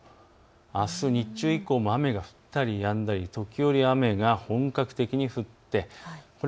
あす日中以降も雨が降ったりやんだり、時折、本格的に降ったり。